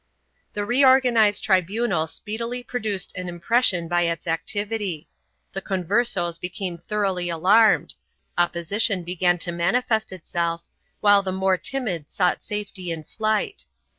1 The reorganized tribunal speedily produced an impression by its activity. The Converses became thoroughly alarmed ; opposi tion began to manifest itself, while the more timid sought safety in flight.